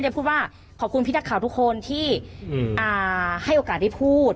เดี๋ยวพูดว่าขอบคุณผู้พิทักข่าวทุกคนที่ให้โอกาสได้พูด